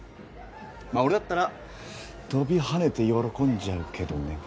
まあ俺だったら跳びはねて喜んじゃうけどね。